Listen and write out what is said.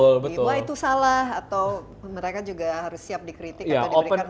wah itu salah atau mereka juga harus siap dikritik atau diberikan